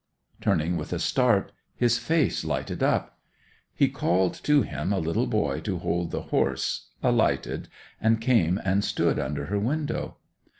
Turning with a start, his face lighted up. He called to him a little boy to hold the horse, alighted, and came and stood under her window.